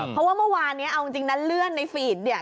เพราะว่าเมื่อวานนี้เอาจริงนะเลื่อนในฟีดเนี่ย